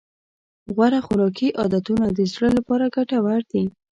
غوره خوراکي عادتونه د زړه لپاره ګټور دي.